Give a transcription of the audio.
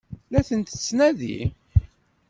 La ten-tettnadi?